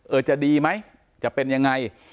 จะดีไหมจะเป็นยังไง